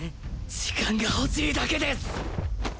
時間が欲しいだけです